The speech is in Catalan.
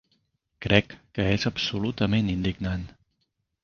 Crec que és absolutament indignant.